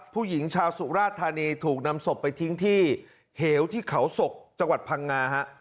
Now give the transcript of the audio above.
ผู้หญิงชาวสุราธานีถูกนำศพไปทิ้งที่เหวที่เขาศกจังหวัดพังงาฮะ